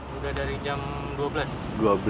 sudah dari jam dua belas